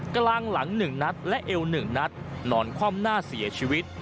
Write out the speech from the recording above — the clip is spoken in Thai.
กลางหลัง๑นัดและเอว๑นัดนอนคว่ำหน้าเสียชีวิต